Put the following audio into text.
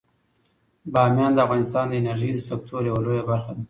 بامیان د افغانستان د انرژۍ د سکتور یوه لویه برخه ده.